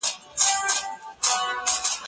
هره شپه د یوه بل